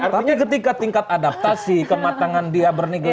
tapi ketika tingkat adaptasi kematangan dia bernegara